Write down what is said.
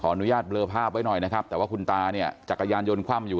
อนุญาตเบลอภาพไว้หน่อยนะครับแต่ว่าคุณตาเนี่ยจักรยานยนต์คว่ำอยู่